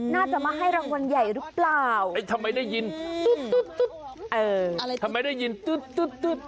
น่าจะมาให้รางวัลใหญ่หรือเปล่าเอ๊ะทำไมได้ยินตุ๊ดอะไรทำไมได้ยินตุ๊ดตุ๊ด